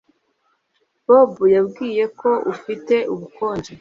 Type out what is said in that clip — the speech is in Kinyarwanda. Bobo yambwiye ko ufite ubukonje